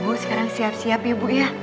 bu sekarang siap siap ya bu ya